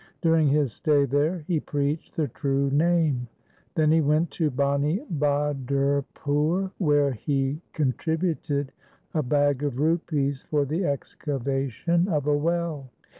During his stay there he preached the true Name. Then he went to Bani Badrpur where he contri buted a bag of rupees for the excavation of a well.